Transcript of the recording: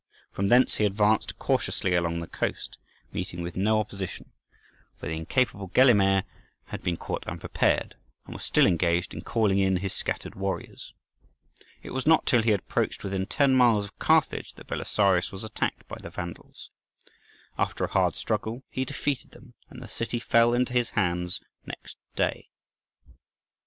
From thence he advanced cautiously along the coast, meeting with no opposition; for the incapable Gelimer had been caught unprepared, and was still engaged in calling in his scattered warriors. It was not till he had approached within ten miles of Carthage that Belisarius was attacked by the Vandals. After a hard struggle he defeated them, and the city fell into his hands next clay.